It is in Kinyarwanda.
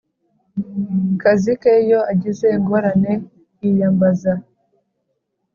kazi ke Iyo agize ingorane yiyambaza